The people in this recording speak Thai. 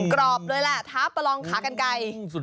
กรอบเลยล่ะท๊าปลองขากันไก่